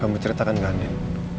kamu ceritakan gak andien